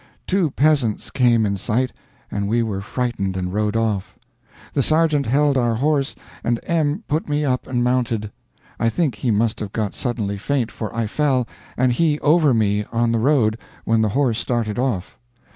Two peasants came in sight, and we were frightened and rode off. The sergeant held our horse, and M put me up and mounted. I think he must have got suddenly faint for I fell and he over me, on the road, when the horse started off.